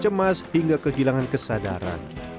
cemas hingga kehilangan kesadaran